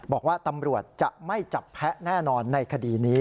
บอกว่าตำรวจจะไม่จับแพ้แน่นอนในคดีนี้